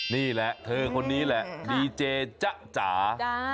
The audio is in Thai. นี่แหละเธอคนนี้แหละดีเจจ๊ะจ๋า